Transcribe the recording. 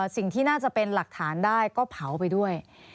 สิ่งที่น่าจะเป็นหลักฐานได้ก็เผาไปด้วย